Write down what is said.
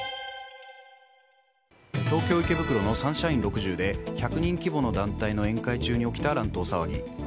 東京・池袋のサンシャイン６０で１００人規模の団体の宴会中に起きた乱闘騒ぎ。